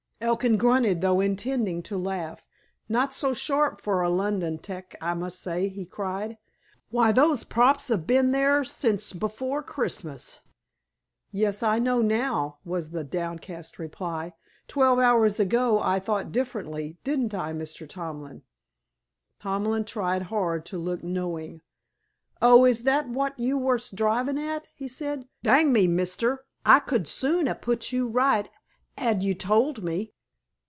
Elkin grunted, though intending to laugh. "Not so sharp for a London 'tec, I must say," he cried. "Why, those props have been there since before Christmas." "Yes. I know now," was the downcast reply. "Twelve hours ago I thought differently. Didn't I, Mr. Tomlin?" Tomlin tried hard to look knowing. "Oh, is that wot you wur drivin' at?" he said. "Dang me, mister, I could soon ha' put you right 'ad you tole me."